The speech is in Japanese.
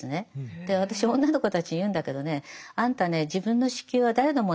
で私女の子たちに言うんだけどねあんたね自分の子宮は誰のもんだと思ってる？